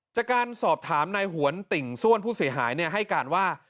จากการสอบถามนายหวนติ่งซ่วนผู้เสียหายให้การว่า